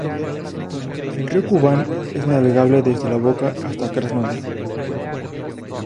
El río Kubán es navegable desde la boca hasta Krasnodar.